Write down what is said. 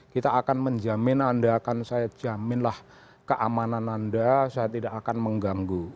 kita akan menjamin anda akan saya jaminlah keamanan anda saya tidak akan mengganggu